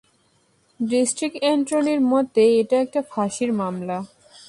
District এটর্নির মতে এটা একটা ফাঁসির মামলা।